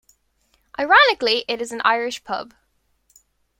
Ironically it is an Irish pub.